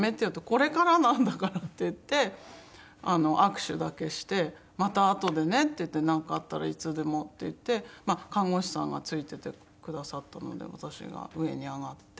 「これからなんだから」って言って握手だけして「またあとでね」って言って「なんかあったらいつでも」って言って看護師さんがついててくださったので私が上に上がって。